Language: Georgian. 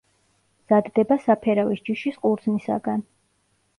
მზადდება საფერავის ჯიშის ყურძნისაგან.